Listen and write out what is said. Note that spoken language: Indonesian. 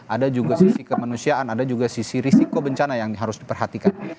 ada juga sisi kemanusiaan ada juga sisi risiko bencana yang harus diperhatikan